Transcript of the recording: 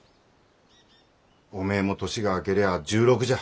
おめえも年が明けりゃあ１６じゃ。